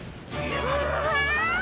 うわ！